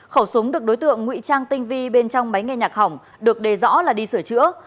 khẩu súng được đối tượng ngụy trang tinh vi bên trong máy nghe nhạc hỏng được đề rõ là đi sửa chữa